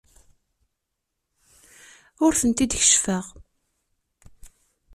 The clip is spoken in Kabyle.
Ur tent-id-keccfeɣ.